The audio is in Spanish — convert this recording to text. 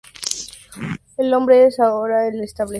El nombre es ahora el establecido en el uso internacional general.